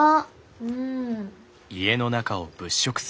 うん。